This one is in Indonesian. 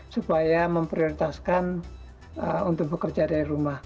supaya memprioritaskan untuk bekerja dari rumah